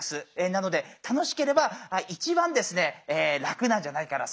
なので楽しければ一番ですね楽なんじゃないかな